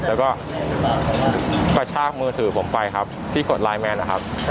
แล้วก็กระชากมือถือผมไปครับที่กดไลนแมนนะครับ